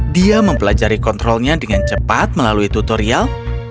dia mempelajari kontrolnya dengan cepat melalui tutorial